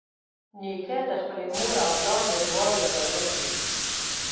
نیکه د خپلې مور او پلار د دعا یادونه کوي.